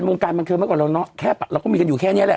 มงการบังเชิงมากกว่าเราน้อยแค่เราก็มีกันอยู่แค่เนี้ยแหละ